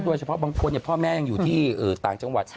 โดยเฉพาะบางคนพ่อแม่ยังอยู่ที่ต่างจังหวัด